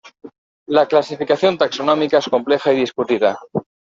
La clasificación taxonómica es compleja y discutida.